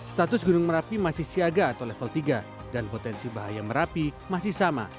status gunung merapi masih siaga atau level tiga dan potensi bahaya merapi masih sama